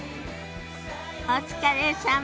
お疲れさま。